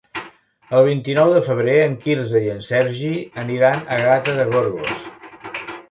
El vint-i-nou de febrer en Quirze i en Sergi aniran a Gata de Gorgos.